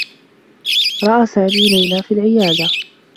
رأى سامي ليلى في العيادة.